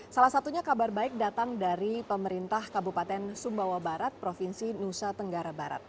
salah satunya kabar baik datang dari pemerintah kabupaten sumbawa barat provinsi nusa tenggara barat